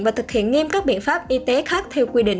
và thực hiện nghiêm các biện pháp y tế khác theo quy định